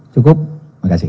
cukup terima kasih